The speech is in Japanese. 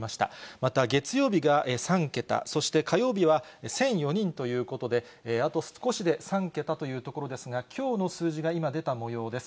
また、月曜日が３桁、そして火曜日は１００４人ということで、あと少しで３桁というところですが、きょうの数字が今、出たもようです。